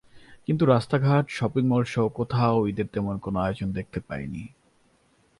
কিন্তু রাস্তাঘাট, শপিং মলসহ কোথাও ঈদের তেমন কোনো আয়োজন দেখতে পাইনি।